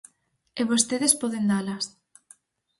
E vostedes poden dalas.